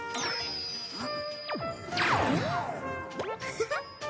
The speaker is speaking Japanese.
フフッ。